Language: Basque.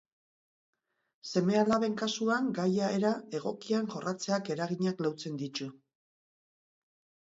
Seme-alaben kasuan, gaia era egokian jorratzeak eraginak leuntzen ditu.